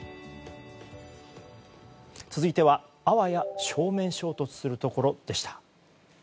続いては、あわや正面衝突するところでした。